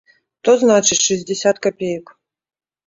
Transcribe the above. То, значыць, шэсцьдзесят капеек.